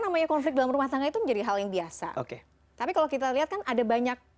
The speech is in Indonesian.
namanya konflik dalam rumah tangga itu menjadi hal yang biasa oke tapi kalau kita lihat kan ada banyak